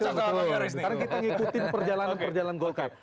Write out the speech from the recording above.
sekarang kita ngikutin perjalanan perjalanan golkar